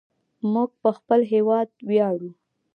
موږ په خپل هیواد ویاړو.